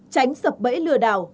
tránh sập bẫy lừa đảo